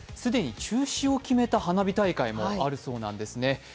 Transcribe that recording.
既に中止を決めた花火大会もあるそうなんですね。